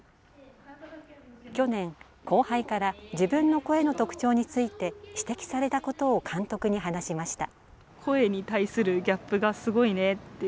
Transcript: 去年、後輩から自分の声の特徴について指摘されたことを監督に話しました。